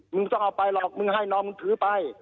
มึงต้องเอาไปหรอกมึงให้น้องมึงถือไป